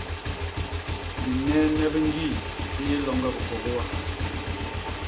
Binenne bi ñgii bi yé loñge bikôkôa.